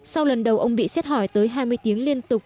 sau lần đầu ông bị xét hỏi tới hai mươi tiếng liên tục